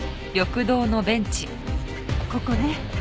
ここね。